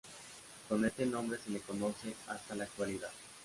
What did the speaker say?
Con este nombre se le conoce hasta la actualidad.